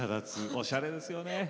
おしゃれですよね。